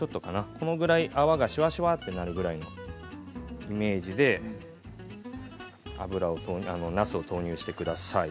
このぐらい泡がシュワシュワとなるぐらいのイメージでなすを投入してください。